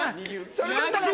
それだったら何？